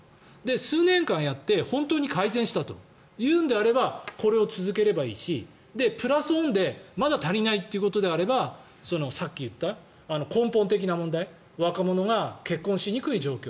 数年間やって本当に改善したというのであればこれを続ければいいしプラスオンでまだ足りないということであればさっき言った根本的な問題若者が結婚しにくい状況。